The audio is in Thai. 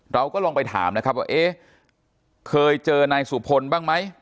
เราก็ลองไปถามนะครับว่าเอ๊ะเคยเจอนายสุพลบ้างไหม